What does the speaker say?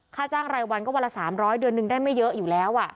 ค่าจ้างรายวันก็วันละ๓๐๐เดือนนึงได้ไม่เยอะอยู่แล้ว